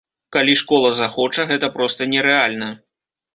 Калі школа захоча, гэта проста нерэальна.